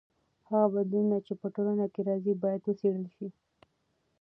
هغه بدلونونه چې په ټولنه کې راځي باید وڅېړل سي.